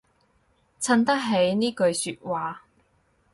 襯得起呢句說話